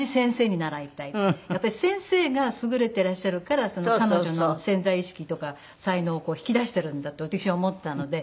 やっぱり先生が優れてらっしゃるから彼女の潜在意識とか才能をこう引き出してるんだと私は思ったので。